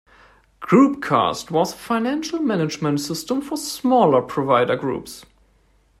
Groupcast was a financial management system for smaller provider groups.